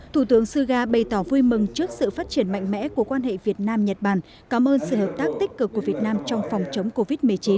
thủ tướng suga bày tỏ vui mừng trước sự phát triển mạnh mẽ của quan hệ việt nam nhật bản cảm ơn sự hợp tác tích cực của việt nam trong phòng chống covid một mươi chín